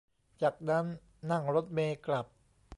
จากนั้นนั่งรถเมล์กลับ